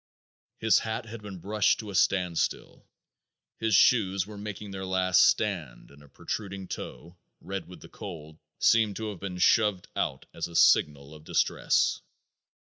His hat had been brushed to a standstill. His shoes were making their last stand and a protruding toe, red with the cold, seemed to have been shoved out as a signal of distress.